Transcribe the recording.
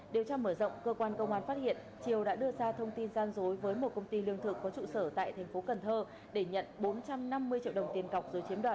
điều tra mở rộng cơ quan công an phát hiện triều đã đưa ra thông tin gian dối với một công ty lương thực có trụ sở tại thành phố cần thơ để nhận bốn trăm năm mươi triệu đồng tiền cọc rồi chiếm đoạt